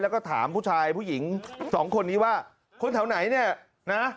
แล้วก็ถามผู้ชายผู้หญิงสองคนนี้ว่าคนแถวไหนเนี่ยนะ